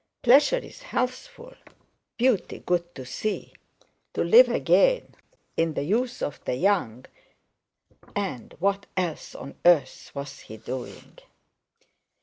Pleasure is healthful; beauty good to see; to live again in the youth of the young—and what else on earth was he doing!